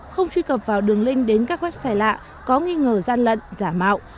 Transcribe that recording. không truy cập vào đường link đến các website lạ có nghi ngờ gian lận giả mạo